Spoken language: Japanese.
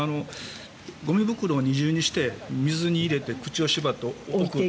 ゴミ袋を二重にして水に入れて口を縛って、置く。